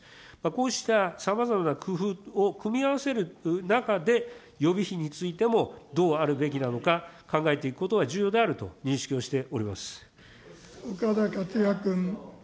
こうしたさまざまな工夫を組み合わせる中で、予備費についても、どうあるべきなのか考えていくことが重要であると認識をしており岡田克也君。